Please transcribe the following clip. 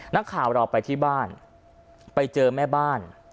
นักข่าวเราไปที่บ้านไปเจอแม่บ้าน